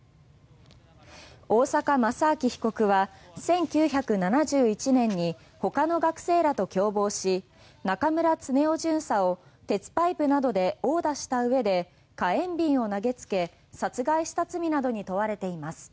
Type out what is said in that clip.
大坂正明被告は１９７１年に他の学生らと共謀し中村恒雄巡査を鉄パイプなどで殴打したうえで火炎瓶を投げつけ殺害した罪などに問われています。